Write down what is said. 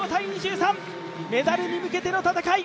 ２５−２３、メダルに向けての戦い！